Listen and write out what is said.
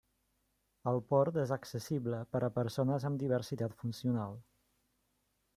El port és accessible per a persones amb diversitat funcional.